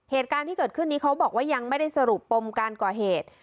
เหตุการณ์ที่เกิดขึ้นนี้เขาบอกว่ายังไม่ได้สรุปปมการก่อเหตุ